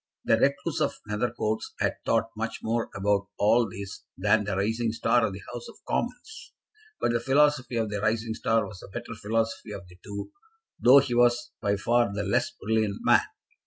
The recluse of Nethercoats had thought much more about all this than the rising star of the House of Commons; but the philosophy of the rising star was the better philosophy of the two, though he was by far the less brilliant man.